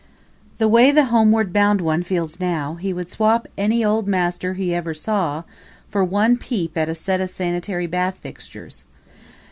The way the homeward bound one feels now, he would swap any Old Master he ever saw for one peep at a set of sanitary bath fixtures.